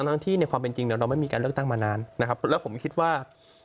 ทั้งที่ในความเป็นจริงเนี่ยเราไม่มีการเลือกตั้งมานานนะครับแล้วผมคิดว่า